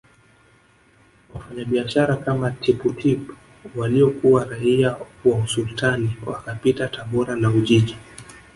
Wafanyabiashara kama Tippu Tip waliokuwa raia wa Usultani wakapita Tabora na Ujiji